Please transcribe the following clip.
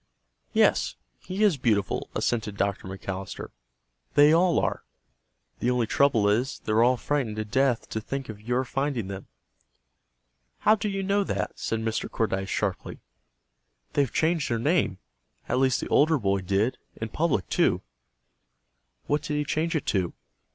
"Yes, he is beautiful," assented Dr. McAllister. "They all are. The only trouble is, they're all frightened to death to think of your finding them." "How do you know that?" said Mr. Cordyce, sharply. "They've changed their name. At least the older boy did. In public, too." "What did he change it to?"